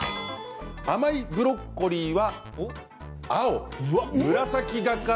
甘いブロッコリーは？